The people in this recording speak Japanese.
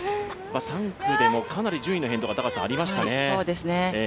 ３区でもかなり順位の変動がありましたね。